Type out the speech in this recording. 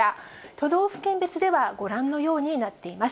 都道府県別ではご覧のようになっています。